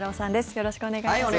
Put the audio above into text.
よろしくお願いします。